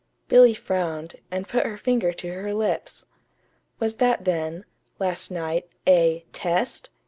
Billy frowned, and put her finger to her lips. Was that then, last night, a "test"?